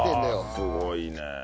すごいね。